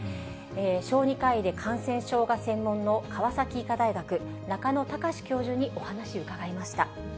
小児科医で感染症が専門の川崎医科大学、中野貴司教授にお話伺いました。